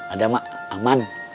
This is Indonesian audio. ada mak aman